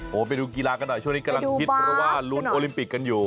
โอ้โหไปดูกีฬากันหน่อยช่วงนี้กำลังฮิตเพราะว่าลุ้นโอลิมปิกกันอยู่